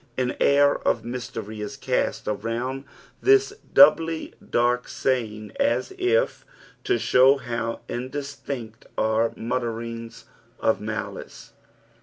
An air of mystery ia cast around this doubly daik saying, as if to show how indistinct are the muttRrings of malice.